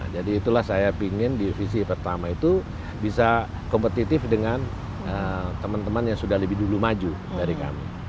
jadi itulah saya ingin divisi pertama itu bisa kompetitif dengan teman teman yang sudah lebih dulu maju dari kami